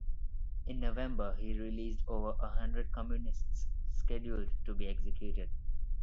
In November, he released over a hundred communists scheduled to be executed.